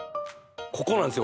ここなんですよ